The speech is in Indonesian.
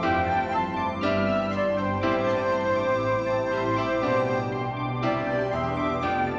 khusus tetap dan european